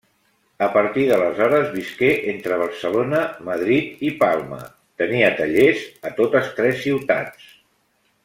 A partir d'aleshores visqué entre Barcelona, Madrid i Palma; tenia tallers a totes tres ciutats.